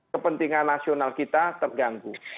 kepentingan nasional kita terganggu